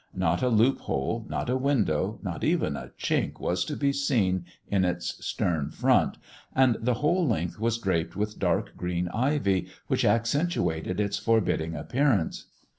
Not a loophole, not a window, not even a chink was to be seen in its stern front, and the whole length was draped with dark green ivy, which accentuated its forbidding appearance.